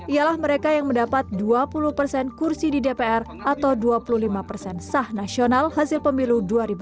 ialah mereka yang mendapat dua puluh persen kursi di dpr atau dua puluh lima persen sah nasional hasil pemilu dua ribu sembilan belas